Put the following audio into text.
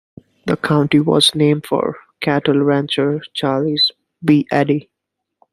The county was named for cattle rancher Charles B. Eddy.